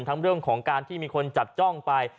เรื่องของการที่มีคนจับจ้องไป